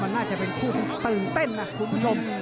มันน่าจะเป็นคู่ที่ตื่นเต้นนะคุณผู้ชม